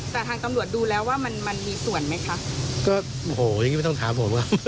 แต่ทางตำรวจดูแล้วว่ามันมันมีส่วนไหมคะก็โอ้โหอย่างงี้ไม่ต้องถามผมอ่ะ